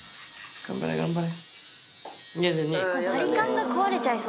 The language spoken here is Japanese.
頑張れ頑張れ。